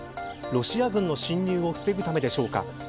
ロシア軍の侵入を防ぐためでしょうか。